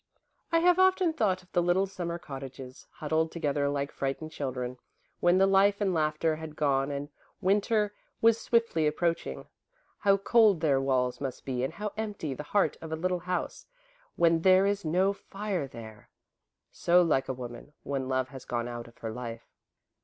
"I have often thought of the little Summer cottages, huddled together like frightened children, when the life and laughter had gone and Winter was swiftly approaching. How cold their walls must be and how empty the heart of a little house, when there is no fire there! So like a woman, when love has gone out of her life."